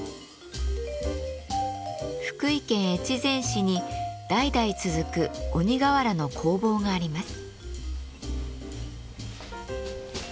福井県越前市に代々続く鬼瓦の工房があります。